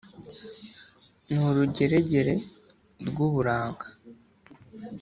Ni urugeregere rw'uburanga,